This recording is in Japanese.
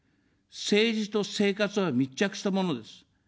政治と生活は密着したものです。